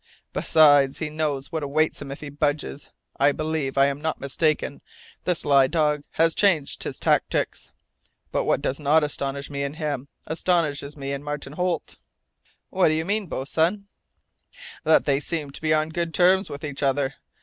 Besides, he knows what awaits him if he budges. I believe I am not mistaken, the sly dog has changed his tactics. But what does not astonish me in him, astonishes me in Martin Holt." "What do you mean, boatswain?" "That they seem to be on good terms with each other.